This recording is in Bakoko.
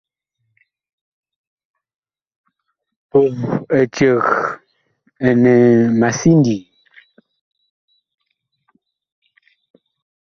Puh eceg ɛnɛ ma sindii.